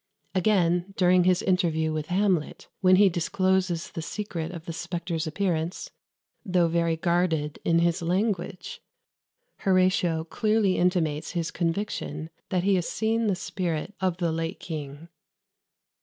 Again, during his interview with Hamlet, when he discloses the secret of the spectre's appearance, though very guarded in his language, Horatio clearly intimates his conviction that he has seen the spirit of the late king.